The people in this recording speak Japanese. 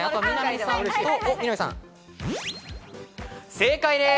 正解です！